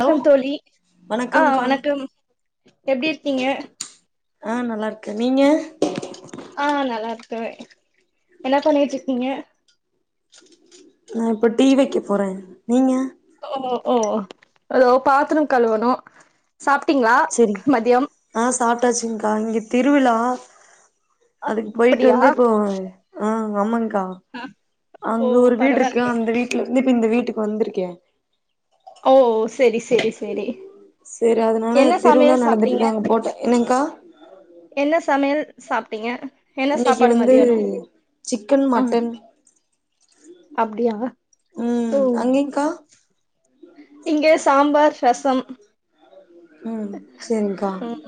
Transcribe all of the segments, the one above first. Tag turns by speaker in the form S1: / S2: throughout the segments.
S1: Hello
S2: தோலி ஆஹ்
S1: வணக்கம்கா
S2: வணக்கம் எப்டி இருக்கீங்க
S1: ஆஹ் நல்லா இருக்கு நீங்க
S2: நல்லா இருக்கே ஆ என்ன பண்ணிகிட்டு இருக்கிங்க
S1: நா இப்போ டிவிக்கு போறேன் நீங்க
S2: ஓ ஓ ஓ ஏதோ பாத்திரம் கழுவணும் சாப்டீங்ளா மதியம்
S1: சாப்புட்டாச்சுங்கா இங்க திருவிழா அதுக்கு போயிட்டு
S2: அப்படியா
S1: வந்து இப்போ ஹா ஆமாங்க கா
S2: அ ஓ
S1: அங்க ஒரு வீடு இருக்கு
S2: பரவாயில்லையே
S1: அந்த வீட்டுல இருந்து இந்த வீட்டுக்கு வந்திருக்கே
S2: ஓ செரி செரி செரி
S1: செரி அதனால
S2: என்ன
S1: திருவிழா
S2: சமையல்
S1: நடந்துட்டு
S2: சாப்ட்டீங்க
S1: இருக்கு அங்க போட்ட என்னங்கா
S2: என்ன சமையல் சாப்ட்டீங்க என்ன
S1: இன்னைக்கு
S2: சாப்பாடு
S1: வந்து
S2: மதியானம்
S1: சிக்கன்
S2: ஆஹ்
S1: மட்டன்
S2: அப்படியா
S1: ம்
S2: ஓ
S1: அங்கேங்க்கா
S2: இங்க சாம்பார் ரசம்
S1: உம் செரிங்கா
S2: ம்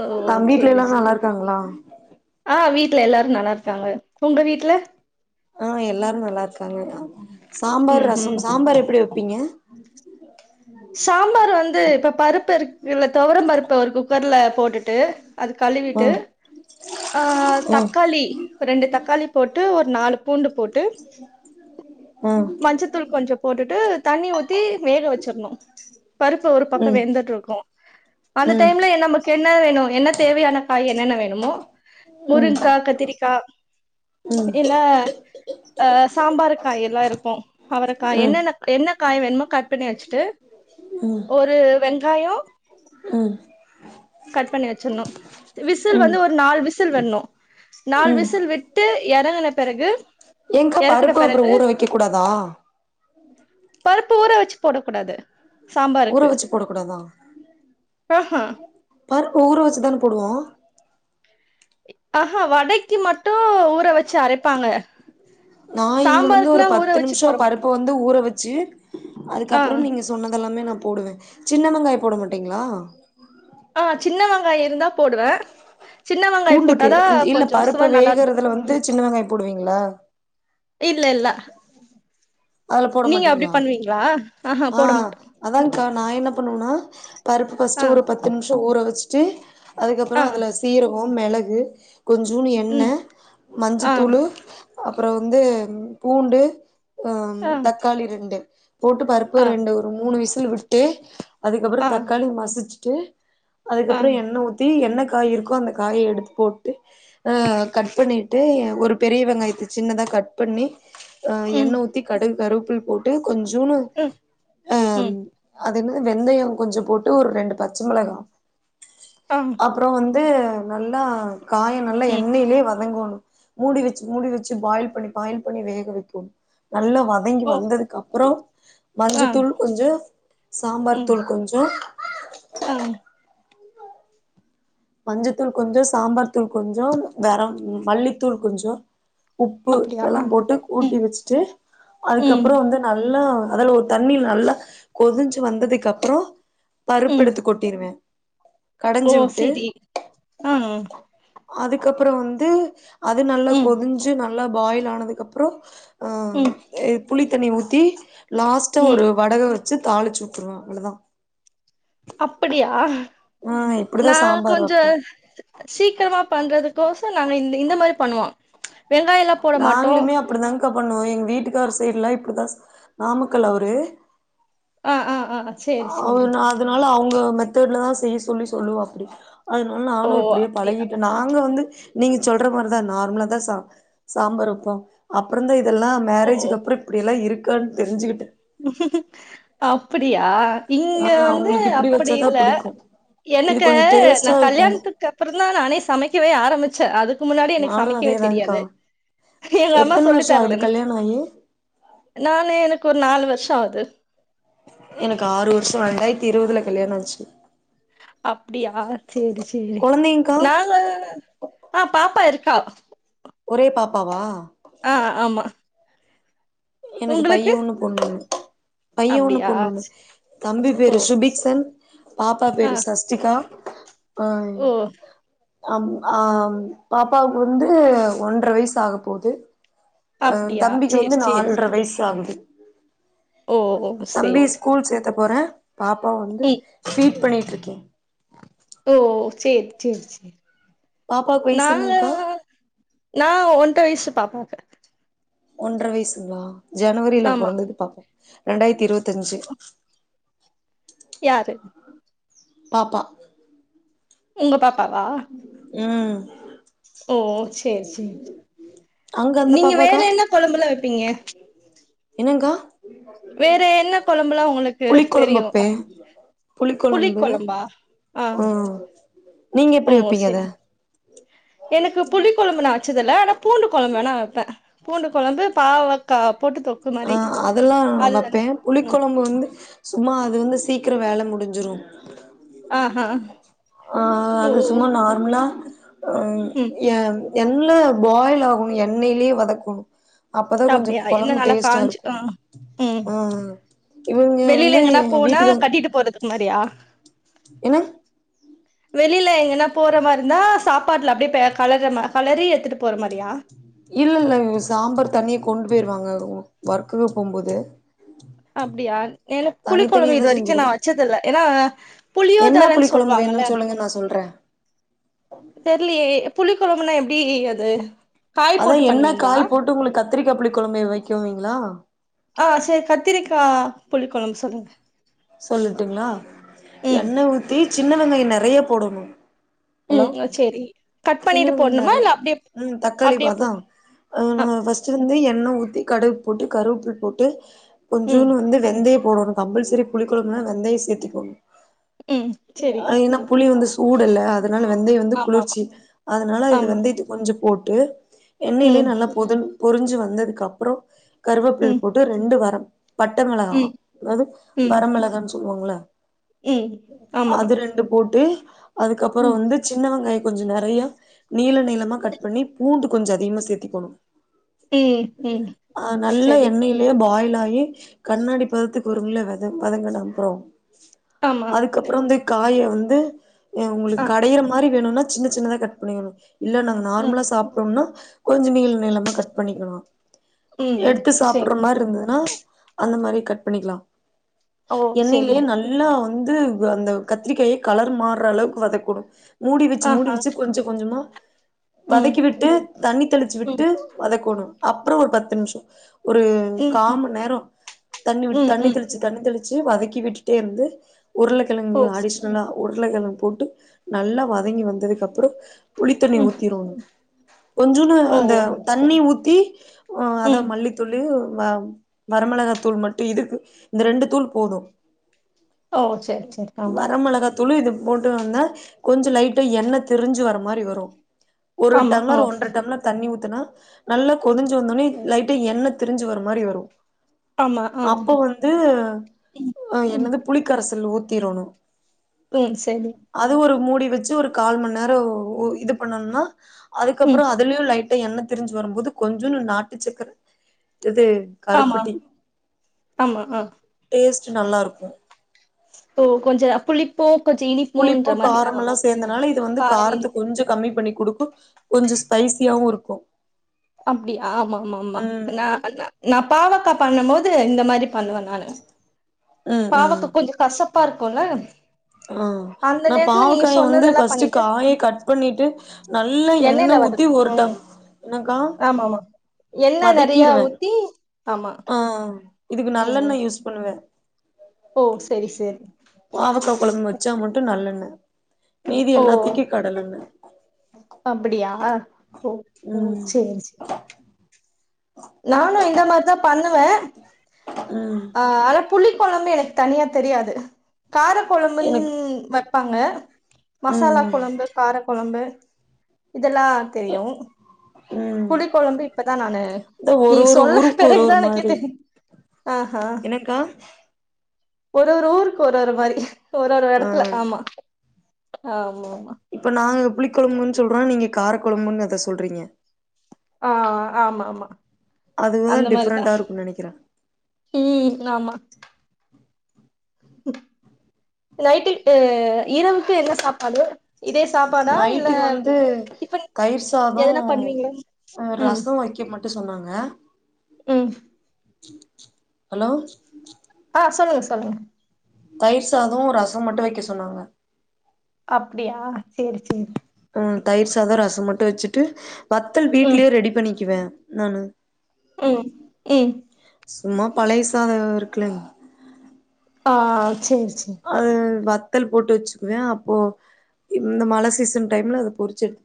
S2: ஓ
S1: தம்பி வீட்டுலயெல்லா நல்ல இருக்காங்களா
S2: ஹா வீட்டு்ல எல்லாரும் நல்ல இருக்காங்க உங்க வீட்டுல
S1: ஹா எல்லாரும் நல்ல இருக்காங்க சாம்பார்
S2: ம் ம்
S1: ரசம் சாம்பார் எப்டி வெப் வைப்பீங்க
S2: சாம்பார் வந்து இப்ப பருப்பு இருக்கு இல்ல துவரம் பருப்பு ஒரு குக்கர்ல போட்டுட்டு அது
S1: ஆ
S2: கழுவிட்டு ஹா
S1: ஆ
S2: தக்காளி ரெண்டு தக்காளி போட் ட்டு ஒரு நாலு பூண்டு போட்டு
S1: ஆ
S2: மஞ்சத்தூள் கொஞ்ச போட்டுட்டு தண்ணி ஊத் தி வேக வச்சிடணும் பருப்பு ஒரு
S1: ம்
S2: பக்கம்
S1: ம்
S2: வெந்துட்ருக்கும் அந்த
S1: ம்
S2: டைம்ல ஏ நம்ம கேட் என்ன வேணும் என்ன தேவையான காய் என்னென்ன வேணுமோ
S1: ம்
S2: முருங்கா கத்திரிக்கா இல்ல ஹ சாம்பாரு காய் எல்லா இருக்கும் அவரகா என்னென்ன என்ன காய் வேணுமோ கட் பண்ணி வச்சிட்டு ஒரு வெங்காயம் கட் பண்ணி வச்சிடனும் விசில்
S1: ம்
S2: வந்து ஒரு நாலு விஸ் விசில் விடனும் நாலு விசில் விட்டு எறங்கன பிறகு
S1: ஏன்கா
S2: எறக்குன
S1: பருப்பு
S2: பிறகு
S1: அப்புறம் ஊற வைக்க கூடாதா
S2: பருப்பு ஊற வச்சு போடக் கூடாது
S1: ஊற
S2: சாம்பாருக்கு
S1: வச்சு போடக் கூடாதா
S2: ஹாஹா
S1: பருப்பு ஊரு வெச்சுதான போடுவோம்
S2: ஹாஹா வடைக்கு மட்டும் ஊற வச்ச அரைப்
S1: நான் இங்க வந்து ஒரு
S2: ஊற
S1: பத்து
S2: வச்சு போட
S1: நிமிஷம்
S2: மாட்டாங்க
S1: பருப்ப வந்து ஊற வெ ச்சு
S2: ஆ
S1: அதுக்கப்புறம் நீங்க சொன்னதெல்லாமே நான் போடுவேன் சின்ன வெங்காய் போட மாட்டீங்ளா
S2: ஹா சின்ன வெங்காயம் இருந்தா போடுவே சின்ன வெங்காய
S1: பூண்டுக்கு
S2: போட்டாதா
S1: இல்ல
S2: கொஞ்சோ சுவை
S1: பருப்ப
S2: நல்லா இருக்கு
S1: வேகறதுல வந்து சின்ன வெங்காயம் போடுவீங்ளா
S2: இல்ல-இல்ல
S1: அதுல போட
S2: நீங்க அப்டி
S1: மாட்டீங்ளா
S2: பண்ணுவீங்ளா ஹாஹா போடமாட்டோம்
S1: க்கா நான் என்ன பண்ணுவனா பருப்பு
S2: ஆ
S1: ஃபர்ஸ்ட்டு ஒரு பத்து நிமிஷ் ட்டு ஊற வச்சுட்டு
S2: ஆ
S1: அதுக்கப்புறம் அதுல சீரோ [unintelligible] மெலகு கொஞ்சூன்னு எண்ணை
S2: ம் ஆ
S1: மஞ்சத்தூளு அப்றோ வந்து ம் பூண்டு அம்
S2: ஆ
S1: தக்காளி ரெண்டு போட்டு பருப்பு
S2: ஆ
S1: ரெண்டு ஒரு மூணு விஷ் விசிலு விட்டு அதுக்கப்புறோ
S2: ஆ
S1: தக்காளி மசிச் ட்டு
S2: ஆ
S1: அதுக்கப்றோ எண்ணை ஊத்தி எண்ணை க் காய் இருக்கும் அந்த காய எடுத்து போட்டு ஆ கட் பண்ணிட்டு ஆ ஒரு பெரிய வெங்காயத்த சின்னதா கட் கட் பண்ணி ஆ
S2: ம்
S1: எண்ணை ஊத்தி கடுகு கரு [unintelligible] போட்டு கொஞ்சூன்னு
S2: ம்
S1: அம்
S2: ம்
S1: அது என்னது வெந்தயம் கொஞ்ச போட்டு ஒரு ரெண்டு பச்ச மெளகா
S2: ஆ
S1: அப்றோ வந் ந்து நல்லா காய் நல்லா
S2: ம்
S1: எண்ணெயிலயே வதங்கோணு [inaudible] மூடி வச்சு மூடி வச்சு பாயில் பண்ணி பாயில் பண்ணி வேக வைக்கோணு பா நல்லா வதங்கி
S2: ஓ
S1: வந்ததுக்கு அப்றோ
S2: ஆ
S1: மஞ்சத்தூள் கொஞ்சோ சாம்பார்
S2: ம்
S1: தூள் கொஞ்சோ
S2: ஆ
S1: மஞ்சத்தூள் கொஞ்சோ, சாம்பார் தூள் கொஞ்சோ, கரம் மல்லித்தூள் கொஞ்சோ உப்பு
S2: அப்டியா
S1: இதல்லா
S2: ஆ
S1: போட்டு
S2: ம்
S1: கூட்டி வச்சுட்டு
S2: ம்
S1: அதுக்கப்றோ வந்து நல்லா அதுல ஒரு தண்ணி நல்லா கொதிஞ்சு வந்ததுக்கு அப்றோ
S2: ம்
S1: பருப்பெடுத்து கொட்டிருவே
S2: ஓ
S1: கடஞ்சு விட்டு
S2: சரி ஆ
S1: அதுக்கப்றோ வந் து அது நல்லா
S2: ம்
S1: கொதிஞ்சு ந நல்லா பாயில் ஆனதுக்கப்றோ ஆ
S2: ம்
S1: ஏ புளி தண்ணி ஊத்தி லாஸ்ட்ட
S2: ம்
S1: ஒரு வடக் சு தாளிச்சு வுற்றுவேன் அவ்ளதான்
S2: அப்டியா
S1: இப்டிதா
S2: நான்
S1: சாம்பார்
S2: கொஞ்ச
S1: வப்பே
S2: சீக்கிரமா பண்றதுக்கோசம் நாங்க இந்த-இந்த மாரி பண்ணுவோம் வெங்காயம்ல்லாம் போட மாட்டோம்
S1: கா பண்ணுவோம் எங்க வீட்டுக்கார சைடுலாம் இப்படிதான் நாமக்கல் அவரு
S2: ஆ ஆ ஆ சேரி
S1: அவ
S2: சேரி
S1: அதனால அவுங் உங்க மெத்தட்ல தான் செய்ய சொல்லி சொல்லுவாப்டி அதனால
S2: ஓ
S1: நானும் இப்படியே
S2: அப்டியா
S1: பழகிட்டேன் நாங்க வந்து நீங்க சொல்ற மாதிரிதான் நார்மலா தான் ச சாம்பார் வைப்போம் அப்புறம் தான் இதெல்லாம்
S2: ஓ
S1: மேரேஜுக்கு அப்புறம் இப்படியெல்லாம் இருக் [unintelligible] தெரிஞ்சுக்கிட
S2: அப்டியா இங்க
S1: ஆ
S2: வந்து
S1: அவங்களுக்கு இப்படி
S2: அப்படி
S1: வச்சாதா
S2: இல்ல
S1: புடிக்கு இது
S2: எனக்கு
S1: கொஞ்சோ
S2: நா
S1: டேஸ்ட்டா இருக்கு
S2: கல்யாணத்துக்கு அப்புறம் தான் நானே சமைக்கவே ஆரம்பிச்சேன் அதுக்கு முன்னாடி எனக்கு
S1: நானு
S2: சமைக்கவே
S1: அதேதான்கா
S2: தெரியாது எங்க அம்மா
S1: எத்தன
S2: சொல்லி
S1: வருஷோ ஆகுது
S2: தரல எனக்
S1: கல்யாணோ ஆயி
S2: நானே கொஞ் நாலு வருசம் ஆகுது
S1: எனக்கு ஆறு வருசம் ரெண்டாயிரத்தி இருபதுல கல்யாணம் ஆச்சு
S2: அப்டியா செரி செரி
S1: கொழந்தைங்க்கா
S2: நானு ஹா பாப்பா இருக் [unintelligible]
S1: ஒரே பாப்பாவா
S2: ஹா ஆமா
S1: எனக்கு
S2: உங்களுக்கு
S1: பைய ஒன்னு பொண்ணு ஒன்னு பையன் ஒன்னு
S2: அப்டியா
S1: பொண்ணு ஒன்னு தம்பி
S2: ஓ
S1: பேரு சுபிக்சன் பாப்பா
S2: ஆ
S1: பேரு சஷ்திகா ஹா
S2: ஓ
S1: ஹம் ஹாம் பாப்பாவுக்கு வந்து ஒன்றரை வயசு ஆக போது ஹா
S2: அப்டியா
S1: தம்பிக்கு
S2: சேரி
S1: வந்து
S2: சேரி
S1: நால்ட்ரா வயசு ஆகுது [inaudible]
S2: ஓ ஓ
S1: தம்பி
S2: சேரி
S1: ஸ்கூல் சேர்த்த போறன் பாப்பா வந்து
S2: ம்
S1: பீட் பண்ணி ருக்கேன்
S2: ஓ செரி-செரி-செரி
S1: பாப்பாக்கு வயசு
S2: நாலு
S1: என்னங்க்கா
S2: நா ஒன்ற வயசு பாப் [unintelligible]
S1: ஒன்ற வயிசுங்ளா ஜனவரியில
S2: ஆமா
S1: பிறந்து பாப்பா ரெண்டாயிரத்து இருவது த்தஞ்சு
S2: யாரு
S1: பாப்பா
S2: உங்க பாக்
S1: ம்
S2: ஓ சேரி சேரி
S1: அங்க அந்த
S2: நீங்க வேற
S1: பாப்பாக்கா
S2: என்ன கொழம்பல்லா வைப்பீங்க
S1: என்னங்க்கா
S2: வேற என்ன கொழம்புலா உங்களுக்கு
S1: புளிக்கொழம்பு
S2: தெரியு
S1: வப்பே
S2: புளிக்
S1: புளிக்கொழம்பு
S2: கொழம்பா ஆ
S1: நீங்க
S2: ஓ
S1: எப்பிடி வைப்பீங்க அத
S2: சேரி எனக்கு புளிக் கொழம்புதா வச்சதில்ல ஆனா பூண்டு கொழம்பு வேண்ணா வப்பே பூண்டு கொழம்பு பாவக்கா போட்டு தொக்கு மாரி
S1: ஆ அதெல்லா
S2: அதுதான
S1: வப்பேன் புளிக்
S2: ம்
S1: கொழம்பு வந்து உமா அது வந்து சீக்ரோ வேல முடிஞ்சுரு
S2: ஆஹா
S1: ஆ
S2: ஓ
S1: அது சும்மா நார்மலா ம் ஏ எண்ணை பாயில் ஆகணு எண்ணெயிலயே வதக்கணு அப்பதா கொஞ்ச
S2: அப்டியா என்ன
S1: கொழம்பு
S2: நல்லா
S1: டேஸ்ட்டா
S2: காஞ்சு
S1: இருக்கு
S2: ஆ
S1: ம்
S2: வெளில எங்கன்னா போனா கட்டிட்டு போறது இது மாரியா
S1: என்ன
S2: வெளில எங்கனா போற மாரி இருந்தா சாப்பாட்ல அப்டியே பே களற மா களறி எடுத்துட்டு போற மாரியா
S1: இல்ல இல்ல சாம்பார் தனியா கொண்டு போயிருவாங்க ஒர்க்குக்கு போம்போது
S2: அப்டியா எனக் புளி கொழம்பு இது
S1: தனித்தனியாதா
S2: வரைக்கு
S1: செஞ்சு
S2: நா
S1: குடு
S2: வச்சதில்ல ஏன்னா
S1: என்ன
S2: புளியோதரைன்னு
S1: புளிக்கொழம்பு
S2: சொல்வாங்கல்ல
S1: வேணுன்னு சொல்லுங்க நா சொல்றே
S2: தெர்லியே புளிக் கொழம்புனா எப்டி அது காய்
S1: அதான்
S2: போட்டு
S1: என்ன
S2: பண்ணுவீங்களா
S1: காய் போட்டு உங்களுக்கு கத்திரிக்கா புளி கொழம்பு வைக்குவீங்களா
S2: ஆ செரி கத்திரிக்கா புளிக் கொழம்பு சொல்லுங்க
S1: சொல்லுட்டுங்ளா
S2: ம்
S1: எண்ண ஊத்தி சின்ன வெங்காயோ நெறைய போடணு ஹலோ
S2: ம் சேரி கட்
S1: சின்ன
S2: பண்ணிட்டு
S1: வெங்காயோ
S2: போடணுமா
S1: நெறைய
S2: இல்ல அப்டியே
S1: ம் தக்காளி இப்ப
S2: அப்டியே போ
S1: அதா ஆ நா ஃபர்ஸ்ட் இருந்து எண் எண்ண ஊத்தி கடுகு போட்டு கருவேப்புல் போட்டு
S2: ம்
S1: கொஞ்சூன்னு வந்து வெந்தயப் போடணு கம்பல்சரி புளி கொழம்புனா வெந்தயோ சேத்திக்கோங்க
S2: ம் சரி
S1: அ என்னா புளி வந்து ஊடல்ல அத் அதனால வெந்தயோ வந்து
S2: ஆமா ஆமா
S1: குளிர்ச்சி அதனால இது
S2: ஆமா
S1: வெந்தயத்துக் கொஞ்சோ போட்டு எண்ணெய்லயே
S2: ம்
S1: நல்லா பொதஞ் புரிஞ்சு வந்ததுக்கு அப்றோ கருவேப்பல்
S2: ம்
S1: போட்டு ரெண்டு வரம் பட்ட மிளகா
S2: ம்
S1: அதாவ்து
S2: ம்
S1: வரமிளகான்னு சொல்வாங்கல்ல
S2: ம் ஆமா
S1: அது ரெண்டு போட்டு அதுக்கப்புறோ
S2: ம்
S1: வந்து சின்ன வெங்காயத் கொஞ்சோ நெறையா நீள நீளமா கட் பண்ணி பூண்டு கொஞ்சோ அதிகமா சேத்திக்கோனு
S2: ம் ம்
S1: ஆ நல்ல
S2: சரி
S1: எண்ணெய்லயே பாயில் ஆ [unintelligible] கண்ணாடி பதத்துக்கு வரும்ல [unintelligible] வதங்கின அப்றோ
S2: ஆமா
S1: அதுக்கப்றோ வந்து காய வந்து அ உங்களுக்கு
S2: ஆ
S1: கடையிற மாரி வேணுன்னா சின்ன சின்னதா கட் பண்ணிக்கணு இல்ல நாங்க
S2: ம்
S1: நார்மலா சாப்ட்டோம்னா கொஞ்சோ நீள நீளமா கட் பண்ணிக்கணு
S2: ம் ம்
S1: எடுத்து சாப்பட்ற
S2: சரி
S1: மாரி இருந்ததுன்னா அந்த மாரி கட் பண்ணிக்கலா
S2: ஓ சரி
S1: என்னையிலேயே நல்லா வந் வந்து அந்த கத்திரிக்காய கலர் மார்ற அளவுக்கு வதக்கணு மூடி வச்சு மூடி
S2: ஆஹா
S1: வச்சு கொஞ்ச கொஞ்சமா
S2: ம்
S1: வதக்கி விட்டு தண்ணி தெளிச்சு
S2: ம்
S1: விட்டு வதக்கணு அப்றோ ஒரு பத்து நிமிஷோ ஒரு
S2: ம்
S1: கா
S2: ம்
S1: மண் நேரோ தண்ணி விட்டு
S2: ம்
S1: தண்ணி
S2: ம்
S1: தெளித் தெளிச்சு வதக்கி விட்டுட்டே இருந்து உருளக்கெழங்கு
S2: ஓ சரி
S1: அடிஷனலா ஒர் மெளகால்லா போட்டு நல்லா வதங்கி வந்ததுக்கு அப்றோ புளித்தண்ணி
S2: ம்
S1: ஊத்திரணு கொஞ்சூன்னு
S2: ஓ
S1: அந்த தண்ணி ஊத் த்தி ஹான் அதான்
S2: ம்
S1: மல்லித்தூளு வ வரமெளகா தூள் மட்டும் இதுக்கு இந்த ரெண்டு தூள் போது
S2: ஓ செர் செர் ஆமா
S1: துளிது போட்டு வந்தா கொஞ்சம் லைட்டா எண்ண திரிஞ்சு வர மாரி வரும் ஒரு
S2: ஆமா ஓ
S1: டம்ளர் ஒன்றர டம்ளர் தண்ணி ஊத் த்துனா நல்லா கொதிஞ்சி வந்தோன்னயே லைட்டா எண்ணை திரிஞ்சி வர மாரி வரு
S2: ஆமா ஆ
S1: ந்து
S2: ம்
S1: ஆஹ்
S2: ம்
S1: என்னது புளிக்க விசில் ஊத்திரணு
S2: ம் சரி
S1: அது ஒரு மூடி வச்சு ஒரு கால் மண் நேரம் ஓ இது பண்னோம்னா
S2: ம்.
S1: அதுக்கப்பறம் அதுலயும் லைட் என்ன திரிஞ்சி வரும்போது கொஞ்சோண்டு நாட்டு சக்கர இது கருப்பட்டி
S2: ஆஹ்
S1: ச்சு நல்லா இருக்கும்
S2: ஓ கொஞ்ச புளிப்போ
S1: புளிப்பு காரமெல்லா சேந்தனால இது வந்து
S2: காரம்
S1: காரத்த
S2: இனிப்பு.
S1: கொஞ்ச கம்மி பண்ணி குடுக்கும் கொஞ்சம் ஸ்பைசியாவும் இருக்கும்
S2: அப்டியா ஆமா ம்மாம்மா நா வந் நா பாவக்கா பண்ணும் போது இந்த மாரி பண்ண வந்தான்னு
S1: ம் ம்
S2: பாவக்கா கொஞ்சோ கசப் பார்க்குன்ன
S1: ஆ நா பாவக்காய வந்து
S2: சொன்னதெல்லாம்
S1: ஃபஸ்ட்டு
S2: பண்ணிட்டு
S1: காய கட் பண்ணிட்டு நல்லா
S2: எண்ணெயில
S1: எண்ணை
S2: வதக்கு
S1: ஊத்தி ஒரு டம் என்னக்கா
S2: என்ன நெறைய
S1: வதக்கிருவே
S2: ஊத்தி ஆமா
S1: ஆ இதுக்கு
S2: ம், ம்.
S1: நல்லெண்ணை யூஸ் பண்ணுவே
S2: ஓ! சரி, சரி.
S1: பாவக்கா கொழம்பு வச்சா மட்டும் நல்லெண்ண மீதி
S2: ஓ!
S1: எல்லாத்துக்கி கடலெண்ண
S2: அப்படியா? ஓ ஓ
S1: ம்
S2: சேரி சேரி நானும் இந்த மாரிதான் பண்ணுவேன்
S1: ம்
S2: ஆ ஆன புளி போலாமே எனக்கு தனியா தெரியாது கார குழம்புன்
S1: எனக்கு
S2: வட் பாங்க
S1: ம்
S2: மசாலா
S1: ம்
S2: குழம்பு கார குழம்பு [inaudible] இதெல்லாம்
S1: எ
S2: தெரியும்
S1: ம்
S2: புளி குழம்பு இப்பதான்நானு
S1: இந்த
S2: நீ
S1: ஒரு ஒரு
S2: சொல்ல
S1: ஊருக்கு ஒரு ஒரு
S2: பிறகுதான் எனக்கே
S1: மாதிரி
S2: தெரியும் ஆஹ்ஹா
S1: என்னக்கா
S2: ஒரு ஒரு ஊருக்கு ஒரு ஒரு மாரி ஒரு ஒரு
S1: ஆ
S2: இடத்துல ஆமா ஆமா ஆமா
S1: புளி கொழம்புன்னு சொல்ரோ நீங்க கார குழம்புன்னு அத சொல்றீங்க
S2: ஆஹ் ஆமா ஆமா
S1: அதுதா
S2: அந்த
S1: டிஃப்ரெண்டா
S2: மாரிதான்
S1: இருக்குன்னு நெனைக்கிறே
S2: ஹும் ஆமா நைட்டுஹ் ஈரவுக்கு என்ன சாப்பாடு இதே சாப்பாடா இல்ல
S1: நைட்டுக்கு வந்து
S2: டிஃபன்
S1: தயிர்சாதோ
S2: எதனா பண்ணுவீங்களா
S1: ரசம் வைக்க மட்டும் சொன்னாங் ஆ
S2: உம்
S1: ஹலோ
S2: ஆ சொல்லுங்க சொல்லுங்க
S1: தயிர் சாதும் ரசம் மட்டும் வைக்க சொன்னாங்க
S2: அப்டியா சேரி சேரி
S1: ஆ தயிர் சாதும் ரசம் மட்டும் வச்சுட்டு வத்தல் வீட்லயே ரெடி பண்ணிக்குவேன் நான
S2: உம் உம்
S1: சும்மா பழையசாத இருக்குலைங்
S2: ஆஹ் சேர்
S1: அது வத் வத்தல் போட்டு வச்சுக்குவேன் அப்போ இந்த மழை சீசன் டைம்ல அத பொரிச்செடு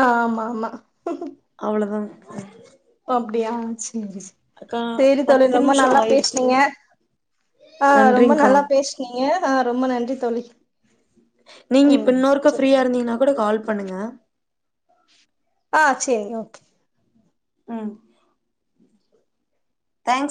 S2: ஆஹ் ஆமா ஆமா
S1: அவ்ளதாங்
S2: அப்படியா ச் ச சரி தோழ
S1: பத்து
S2: ரொம்ப
S1: நிமிஷோ
S2: நல்லா
S1: ஆயிருச்சு
S2: பேசனீங்க ஆஹ் ரொம்ப
S1: நன்றிங்க்கா
S2: நல்லா பேசனீங்க ஆஹ் ரொம்ப நன்றி தோழ
S1: நீங்க இப்ப
S2: ம்
S1: இன்னொருக்கா
S2: செரி
S1: ஃப்ரீயா இருந்தீங்கன்னா கூட கால் பண்ணுங்க
S2: ஆஹ் சரி ஓகே
S1: ம் தேங்க்ஸ்